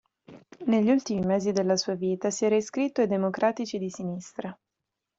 Negli ultimi mesi della sua vita si era iscritto ai Democratici di Sinistra.